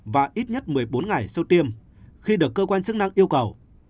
và ít nhất một mươi bốn ngày sau tiêm khi được cơ quan chức năng yêu cầu